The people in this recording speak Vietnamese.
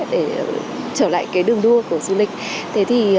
để trở lại đường đua của du lịch